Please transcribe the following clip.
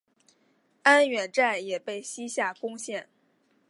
安远寨也被西夏攻陷。